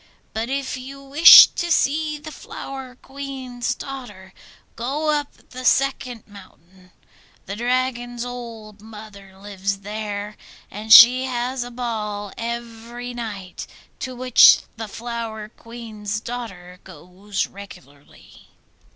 But if you wish to see the Flower Queen's daughter go up the second mountain: the Dragon's old mother lives there, and she has a ball every night, to which the Flower Queen's daughter goes regularly.